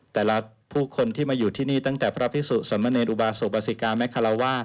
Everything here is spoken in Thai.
แต่ละผู้คนที่มาอยู่ที่นี่ตั้งแต่พระพิสุสมเนรอุบาสุบิกาแม่คาราวาส